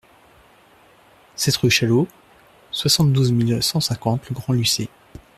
sept rue Chalot, soixante-douze mille cent cinquante Le Grand-Lucé